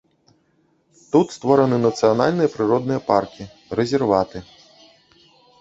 Тут створаны нацыянальныя прыродныя паркі, рэзерваты.